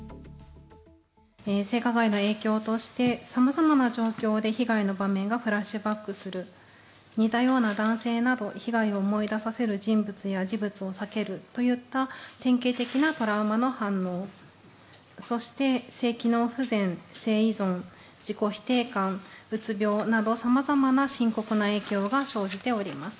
性加害の影響として、さまざまな状況で被害の場面がフラッシュバックする、似たような男性など、被害を思い出させる人物や事物を避けるといった典型的なトラウマの反応、そして、性機能不全、性依存、自己否定感、うつ病など、さまざまな深刻な影響が生じております。